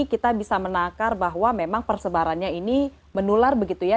kita bisa menakar bahwa memang persebarannya ini menular begitu ya